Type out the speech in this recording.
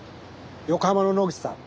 横浜の野口さん。